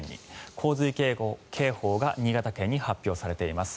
洪水警報が新潟県に発表されています。